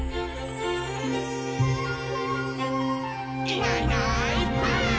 「いないいないばあっ！」